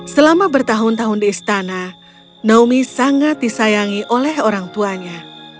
selama bertahun tahun di istana naomi sangat disayangi oleh orang tuanya